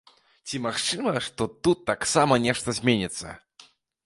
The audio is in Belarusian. Ці магчыма, што тут таксама нешта зменіцца?